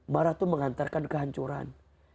marah itu mengantarkan kehancuran